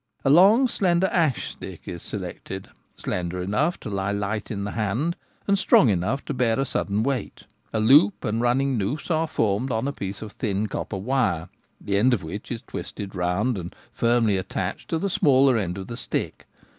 A long slender ash stick is selected, slender enough to lie light in the hand and strong enough to bear a sudden weight. A loop and running noose are formed of a piece of thin copper wire, the other end of which is twisted round and firmly attached to the smaller end of the stick.